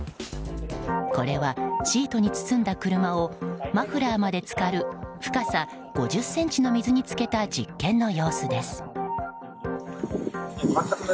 これはシートに包んだ車をマフラーまでつかる深さ５０ｃｍの水につけた実験の様子です。